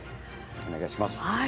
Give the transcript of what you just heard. お願いします。